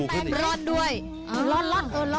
เฮยกตำบล